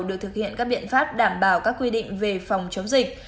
được thực hiện các biện pháp đảm bảo các quy định về phòng chống dịch